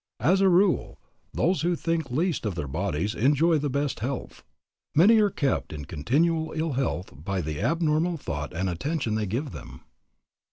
As a rule, those who think least of their bodies enjoy the best health. Many are kept in continual ill health by the abnormal thought and attention they give them.